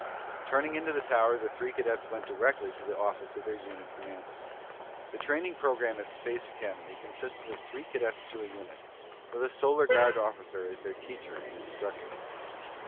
Turning into the Tower, the three cadets went directly to the office of their unit commander. The training program at Space Academy consisted of three cadets to a unit, with a Solar Guard officer as their teacher and instructor.